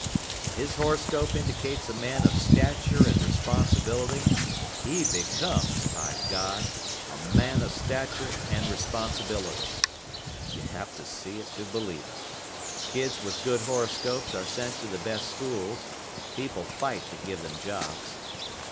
If his horoscope indicates a man of stature and responsibility, he becomes, by God, a man of stature and responsibility. You have to see it to believe it. Kids with good horoscopes are sent to the best schools, people fight to give them jobs.